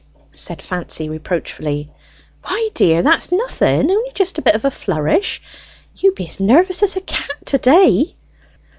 said Fancy reproachfully. "Why, dear, that's nothing, only just a bit of a flourish. You be as nervous as a cat to day."